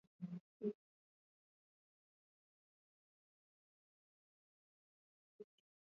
viazi lishe zao ambalo majani yake huliwa